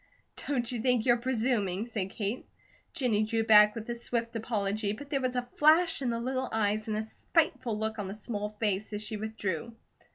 "Don't you think you're presuming?" said Kate. Jennie drew back with a swift apology, but there was a flash in the little eyes and a spiteful look on the small face as she withdrew.